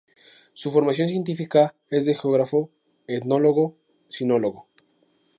Su formación científica es de geógrafo, etnólogo, sinólogo.